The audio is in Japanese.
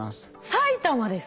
埼玉ですか。